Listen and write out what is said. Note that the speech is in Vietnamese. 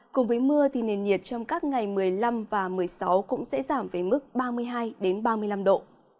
cùng với mưa thì nền nhiệt trong các ngày một mươi năm và một mươi sáu cũng sẽ giảm về mức ba mươi hai ba mươi năm độ